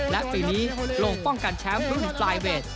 และปีนี้ลงป้องกันแชมป์รุ่นปลายเวท